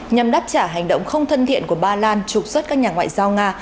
nhằm đáp trả hành động không thân thiện của ba lan trục xuất các nhà ngoại giao nga